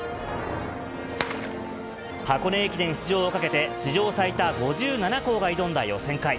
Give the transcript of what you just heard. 箱根駅伝出場をかけて、史上最多５７校が挑んだ予選会。